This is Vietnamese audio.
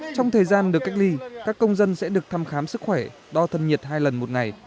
trong thời gian được cách ly các công dân sẽ được thăm khám sức khỏe đo thân nhiệt hai lần một ngày